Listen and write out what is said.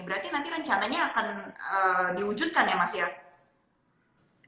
berarti nanti rencananya akan diwujudkan ya mas ya